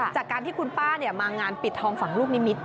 จากการที่คุณป้ามางานปิดทองฝั่งลูกนิมิต